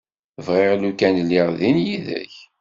Bɣiɣ lukan lliɣ din yid-k.